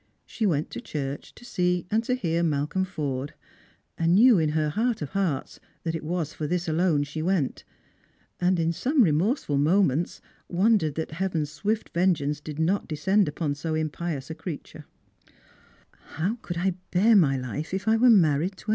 She went to church to see and to hear Malcolm Forde, and knew in her heart of hearts that it was for this alone she went; and in some remorseful moments wondered that Heaven's swift vengeance did not descend upon so impious a creature. 128 Strangers and Pilgrims. " How could I bear my life if I were married to ar.